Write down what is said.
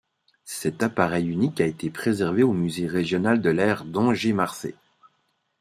Cet appareil unique a été préservé au musée régional de l'air d'Angers-Marcé.